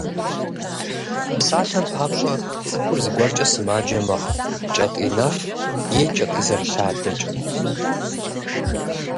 Псалъэм папщӏэ, цӏыхур зыгуэркӏэ сымаджэ мэхъу: кӏэтӏий нэф е кӏэтӏий зэрылъадэкӏэ.